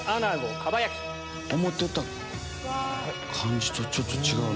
思うてた感じとちょっと違う。